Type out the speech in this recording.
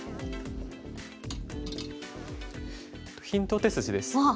ヒント手筋です。